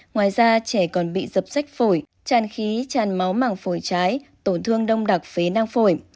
ngoài ra trẻ còn bị dập sách phổi tràn khí tràn máu màng phổi trái tổn thương đông đặc phế nang phổi